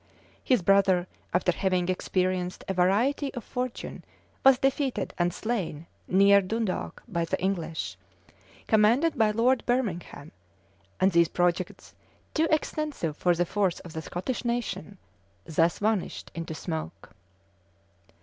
His brother, after having experienced a variety or fortune, was defeated and slain near Dundalk by the English, commanded by Lord Bermingham: and these projects, too extensive for the force of the Scottish nation, thus vanished into smoke.